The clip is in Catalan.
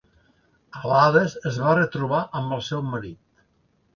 A l'Hades es va retrobar amb el seu marit.